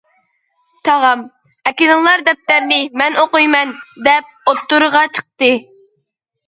تاغام: «ئەكېلىڭلار دەپتەرنى، مەن ئوقۇيمەن» دەپ ئوتتۇرىغا چىقتى.